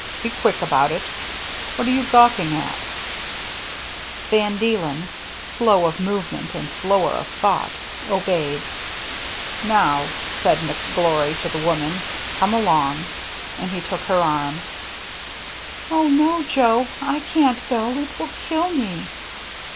Be quick about it. What are you gawking at ?" VAN DEELEN'S BRIDGE 295 Van Deelen, slow of movement and slower of thought, obeyed. " Now," said McGlory to the woman, " come along !" And he took her arm. "Oh, no, Joe! I can't go! It will kill me!'